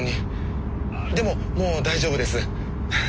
でももう大丈夫です。